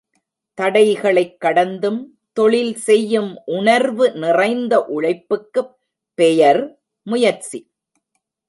தடைகளைக் கடந்தும் தொழில் செய்யும் உணர்வு நிறைந்த உழைப்புக்குப் பெயர் முயற்சி.